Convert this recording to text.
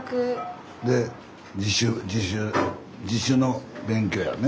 で自主自主自主の勉強やね。